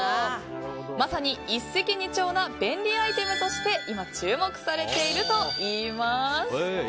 まさに一石二鳥な便利アイテムとして今、注目されているといいます。